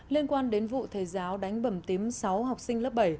liên quan đến vụ thầy giáo đánh bầm tím sáu học sinh lớp bảy